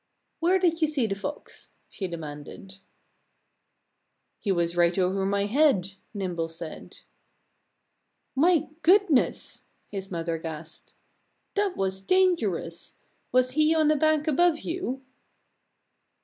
"Where did you see the Fox?" she demanded. "He was right over my head," Nimble said. "My goodness!" his mother gasped. "That was dangerous. Was he on a bank above you?"